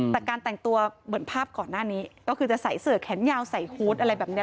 แต่การแต่งตัวเหมือนภาพก่อนหน้านี้ก็คือจะใส่เสือแขนยาวใส่ฮูตอะไรแบบนี้